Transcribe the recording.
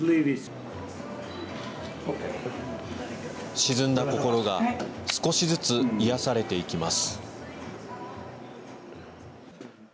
沈んだ心が少しずつ癒されていきます。